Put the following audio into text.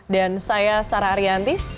dan saya sarah ariyanti